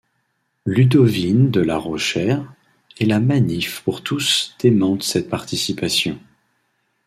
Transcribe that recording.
Ludovine de la Rochère et la Manif pour tous démentent cette participation.